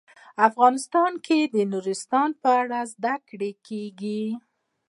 افغانستان کې د نورستان په اړه زده کړه کېږي.